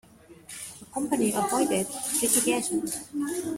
The company avoided Litigation.